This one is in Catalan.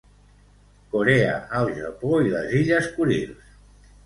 Corea, el Japó i les Illes Kurils.